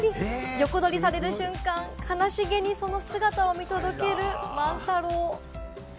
横取りされる瞬間、悲しげにその姿を見届けるマンタロウ。